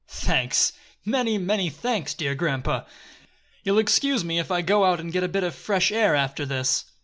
"Thanks! Many, many thanks, dear grandpapa! You'll excuse me if I go out and get a bit of fresh air after this."